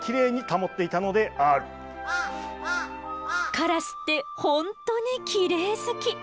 カラスって本当にキレイ好き！